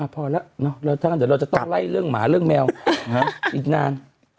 พอละเราจะต้องไล่เรื่องหมาเรื่องแมวอีกนาน